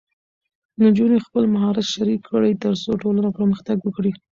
نجونې خپل مهارت شریک کړي، ترڅو ټولنه پرمختګ وکړي.